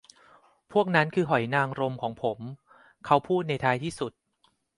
พวกนั้นคือหอยนางรมของผม เขาพูดในท้ายที่สุด